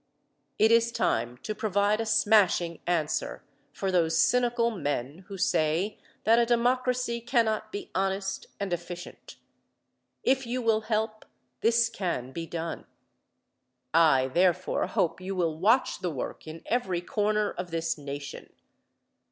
It is time to provide a smashing answer for those cynical men who say that a democracy cannot be honest and efficient. If you will help, this can be done. I, therefore, hope you will watch the work in every corner of this Nation.